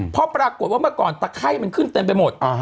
เพราะปรากฏว่าเมื่อก่อนตะไข้มันขึ้นเต็มไปหมด